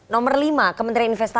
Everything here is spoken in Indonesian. nomor lima kementerian investasi